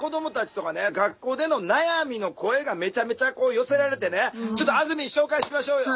学校での悩みの声がめちゃめちゃ寄せられてねちょっとあずみん紹介しましょうよ。